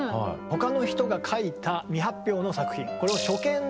他の人が書いた未発表の作品